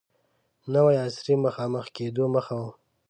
نوي عصر مخامخ کېدو مخه و.